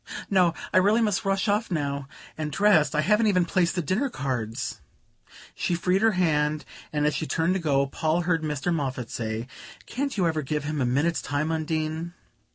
No, I really must rush off now and dress I haven't even placed the dinner cards." She freed her hand, and as she turned to go Paul heard Mr. Moffatt say: "Can't you ever give him a minute's time, Undine?"